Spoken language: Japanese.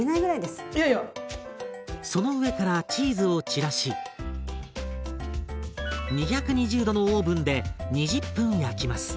その上からチーズを散らし２２０℃のオーブンで２０分焼きます。